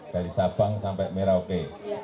dari sabang sampai merauke